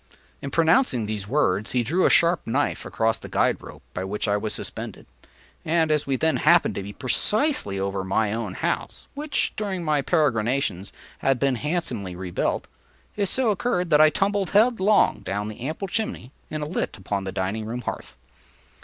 In pronouncing these words, he drew a sharp knife across the guide rope by which I was suspended, and as we then happened to be precisely over my own house, (which, during my peregrinations, had been handsomely rebuilt,) it so occurred that I tumbled headlong down the ample chimney and alit upon the dining room hearth.